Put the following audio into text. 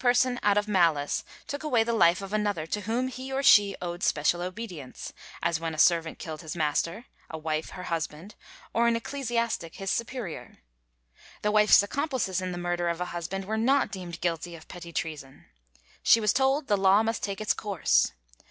The crime of petty treason was established when any person out of malice took away the life of another to whom he or she owed special obedience—as when a servant killed his master, a wife her husband, or an ecclesiastic his superior. The wife's accomplices in the murder of a husband were not deemed guilty of petty treason. She was told the law must take its course.